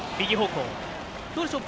どうでしょう？